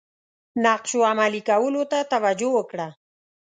نقشو عملي کولو ته توجه وکړه.